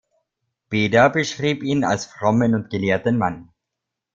Beda beschrieb ihn als frommen und gelehrten Mann.